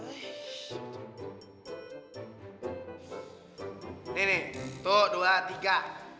ini nih dua tiga